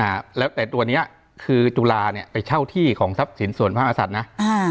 อ่าแล้วแต่ตัวเนี้ยคือจุฬาเนี้ยไปเช่าที่ของทรัพย์สินส่วนพระอาศัตริย์นะอ่า